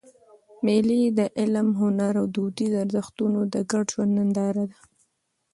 مېلې د علم، هنر او دودیزو ارزښتو د ګډ ژوند ننداره ده.